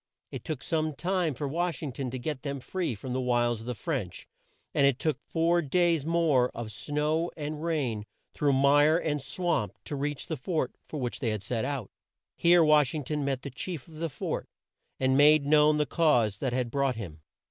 It took some time for Wash ing ton to get them free from the wiles of the French, and it took four days more of snow and rain, through mire and swamp, to reach the fort for which they had set out. Here Wash ing ton met the chief of the fort and made known the cause that had brought him.